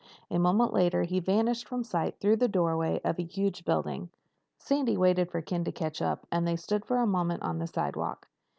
A moment later he vanished from sight through the doorway of a huge building. Sandy waited for Ken to catch up, and they stood for a moment on the sidewalk.